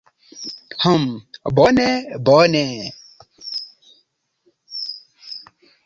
"Hm, bone bone."